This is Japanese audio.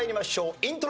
イントロ。